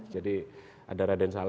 jadi ada raden sambung